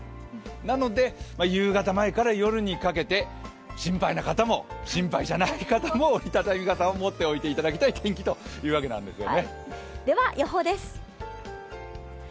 なので、夕方前から夜にかけて、心配な方も、心配じゃない方も折り畳み傘を持っていただきたい天気ということなんですよね。